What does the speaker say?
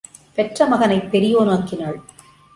பெற்ற மகனைப் பெரியோன் ஆக்கினாள்.